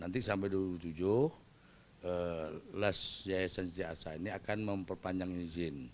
nanti sampai dua ribu dua puluh tujuh las yayasan ct arsa ini akan memperpanjang izin